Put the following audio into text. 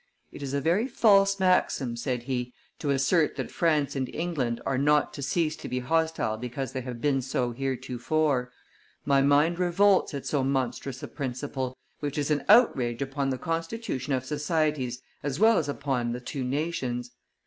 "It is a very false maxim," said he, "to assert that France and England are not to cease to be hostile because they have been so heretofore. My mind revolts at so monstrous a principle, which is an outrage upon the constitution of societies as well as upon the two nations.